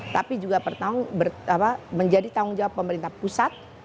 tapi juga menjadi tanggung jawab pemerintah pusat